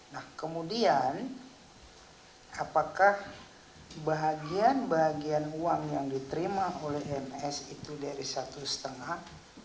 nah kemudian apakah bahagian bahagiaan uang yang diterima oleh ms itu dari satu setengah